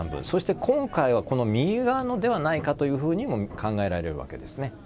そして今回は右側のではないかというに考えられるわけです。